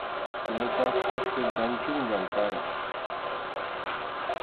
Ñawpaqqa hatun kanchunllam karqan.